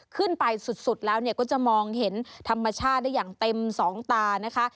ขึ้นไปสุดแล้วเนี่ยก็จะมองเห็นธรรมชาติได้อย่างเต็มสองตานะคะ